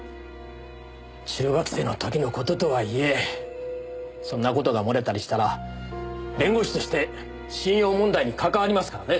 中学生のときの事とはいえそんな事が漏れたりしたら弁護士として信用問題に関わりますからね。